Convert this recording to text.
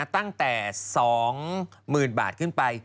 ตั้งแต่๒๐๐๐บาทขึ้นไป